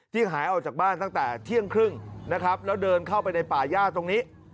หายออกจากบ้านตั้งแต่เที่ยงครึ่งนะครับแล้วเดินเข้าไปในป่าย่าตรงนี้